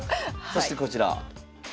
そしてこちら。